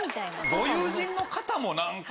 ご友人の方も何か。